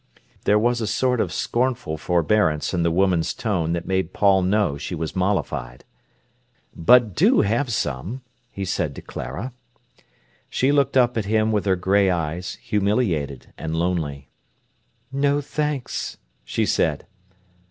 There was a sort of scornful forbearance in the woman's tone that made Paul know she was mollified. "But do have some!" he said to Clara. She looked up at him with her grey eyes, humiliated and lonely. "No thanks!" she said.